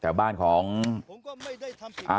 ชาวบ้านในพื้นที่บอกว่าปกติผู้ตายเขาก็อยู่กับสามีแล้วก็ลูกสองคนนะฮะ